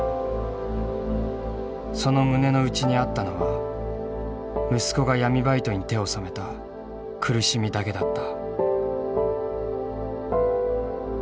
その胸の内にあったのは息子が闇バイトに手を染めた苦しみだけだった。